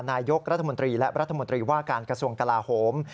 นายกรัฐมนตรีและรัฐมนตรีว่าการกระทรวงกลาโหม